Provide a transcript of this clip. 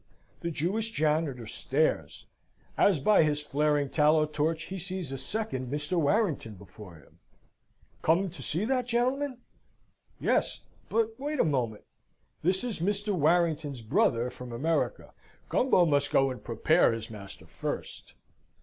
The Jewish janitor stares, as by his flaring tallow torch he sees a second Mr. Warrington before him. Come to see that gentleman? Yes. But wait a moment. This is Mr. Warrington's brother from America. Gumbo must go and prepare his master first.